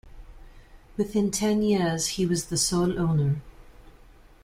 Within ten years he was the sole owner.